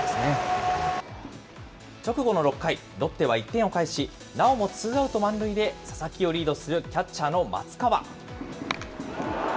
直後の６回、ロッテは１点を返し、なおもツーアウト満塁で佐々木をリードするキャッチャーの松川。